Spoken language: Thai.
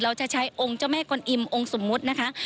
เราจะใช้องค์เจ้าแม่กลอิมองค์สมมุตินะคะ